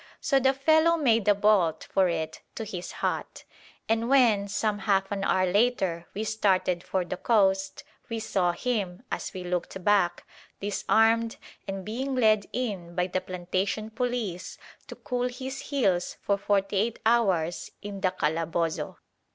So the fellow made a bolt for it to his hut; and when, some half an hour later, we started for the coast, we saw him, as we looked back, disarmed and being led in by the plantation police to cool his heels for forty eight hours in the calabozo.